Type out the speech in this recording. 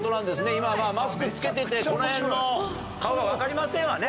今はマスク着けててこの辺の顔は分かりませんわね